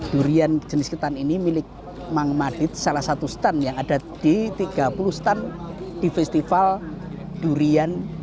durian jenis ketan ini milik mang madit salah satu stand yang ada di tiga puluh stand di festival durian